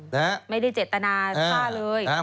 ไม่ได้เจตนาฆ่าเลย